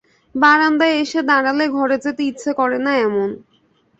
বারান্দায় এসে দাঁড়ালে ঘরে যেতে ইচ্ছা করে না- এমন।